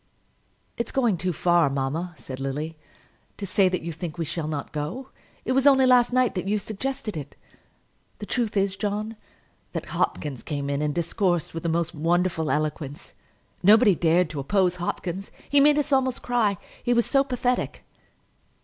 "It's going too far, mamma," said Lily, "to say that you think we shall not go. It was only last night that you suggested it. The truth is, John, that Hopkins came in and discoursed with the most wonderful eloquence. Nobody dared to oppose Hopkins. He made us almost cry; he was so pathetic."